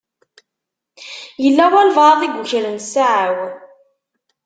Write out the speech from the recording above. Yella walebɛaḍ i yukren ssaɛa-w.